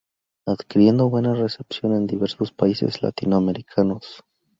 Adquiriendo buena recepción en diversos países latinoamericanos.